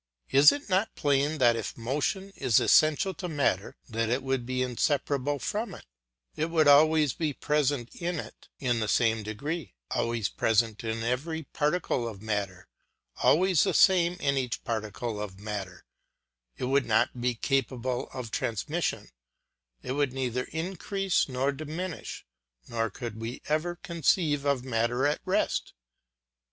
Is it not plain that if motion is essential to matter it would be inseparable from it, it would always be present in it in the same degree, always present in every particle of matter, always the same in each particle of matter, it would not be capable of transmission, it could neither increase nor diminish, nor could we ever conceive of matter at rest.